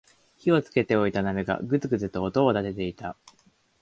火をつけておいた鍋がグツグツと音を立てていた